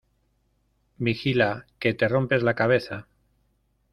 Vigila, ¡que te rompes la cabeza!